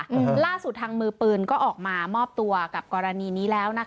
อืมล่าสุดทางมือปืนก็ออกมามอบตัวกับกรณีนี้แล้วนะคะ